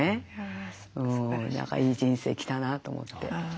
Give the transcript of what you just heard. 何かいい人生来たなと思って。